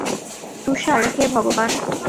তুষার, হে ভগবান।